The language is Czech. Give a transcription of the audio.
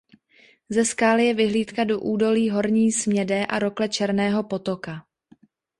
Ze skály je vyhlídka do údolí horní Smědé a rokle Černého potoka.